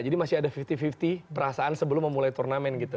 jadi masih ada lima puluh lima puluh perasaan sebelum memulai turnamen